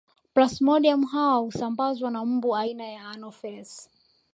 Plasmodium hawa husambazwa na mbu aina ya Anofelesi